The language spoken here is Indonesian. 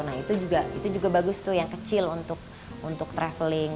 nah itu juga bagus tuh yang kecil untuk traveling